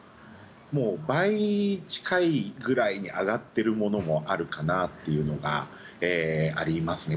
もう倍近いぐらいに上がってるものもあるかなというのがありますね。